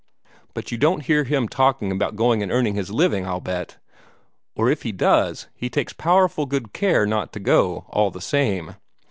But you don't hear him talking about going and earning his living, I'll bet! Or if he does, he takes powerful good care not to go, all the same.